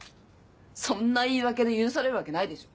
そんな言い訳で許されるわけないでしょ。